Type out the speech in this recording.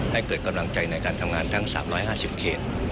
ให้เกิดกำลังใจในการทำงานทั้ง๓๕๐เขต